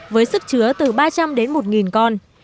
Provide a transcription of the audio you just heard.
với sức chứa từ ba trăm linh đến một con